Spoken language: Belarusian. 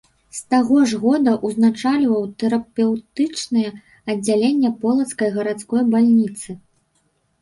З таго ж года ўзначальваў тэрапеўтычнае аддзяленне полацкай гарадской бальніцы.